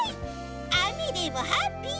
あめでもハッピー！